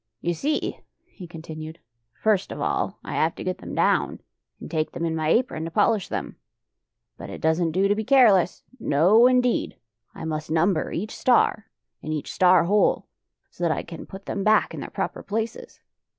" You see," he continued, " flrst of all I have to get them down, and take them in my apron to polish them. But it doesn't do to be careless. No, indeed! I must number [ 38 ] OLE SHUT EYES each star, and each star hole, so that I can put them back in their proper places.